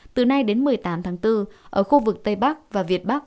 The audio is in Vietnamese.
từ nay đến một mươi tám tháng bốn ở khu vực tây bắc và việt bắc